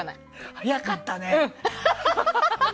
早かったね！